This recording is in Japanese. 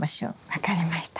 分かりました。